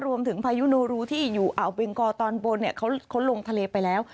พายุโนรูที่อยู่อ่าวเบงกอตอนบนเขาลงทะเลไปแล้ว